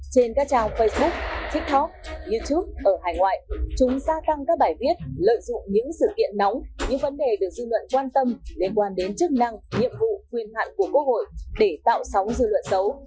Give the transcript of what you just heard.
trên các trào facebook tiktok youtube ở hải ngoại chúng gia tăng các bài viết lợi dụng những sự kiện nóng những vấn đề được dư luận quan tâm liên quan đến chức năng nhiệm vụ quyền hạn của quốc hội để tạo sóng dư luận xấu